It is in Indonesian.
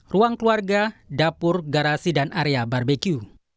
ruang keluarga dapur garasi dan area barbecue